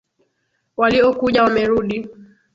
Waliokuja wamerudi.